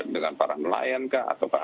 dengan para nelayan kah ataukah